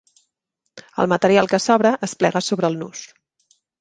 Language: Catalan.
El material que sobra es plega sobre el nus.